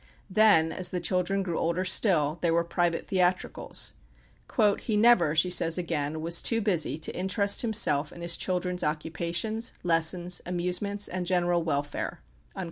Then, as the children grew older still, there were private theatricals. "He never," she says again, "was too busy to interest himself in his children's occupations, lessons, amusements, and general welfare."